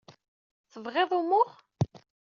Tebɣiḍ umuɣ?